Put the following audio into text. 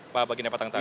pak bagi nepatan taris